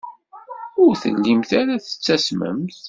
Ur tellimt ara tettasmemt.